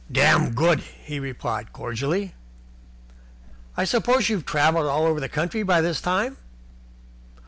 "Dam good," he replied, cordially. "I suppose you have travelled all over the country by this time?"